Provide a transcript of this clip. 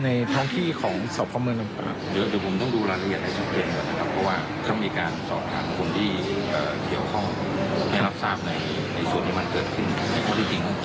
ในความจริงของผู้กำกับ